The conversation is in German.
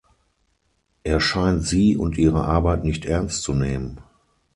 Er scheint sie und ihre Arbeit nicht ernst zu nehmen.